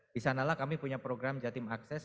di sanalah kami punya program jatim akses